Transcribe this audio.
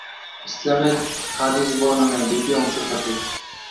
ইসলামে হাদিস বর্ণনায় দুটি অংশ থাকে।